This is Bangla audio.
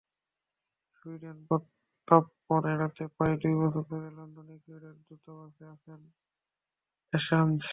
সুইডেনে প্রত্যর্পণ এড়াতে প্রায় দুই বছর ধরে লন্ডনে ইকুয়েডরের দূতাবাসে আছেন অ্যাসাঞ্জ।